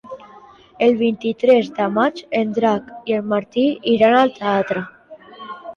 El vint-i-tres de maig en Drac i en Martí iran al teatre.